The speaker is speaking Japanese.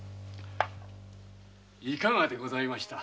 いかがでございました？